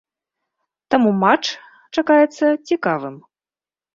Таму матч чакаецца цікавым.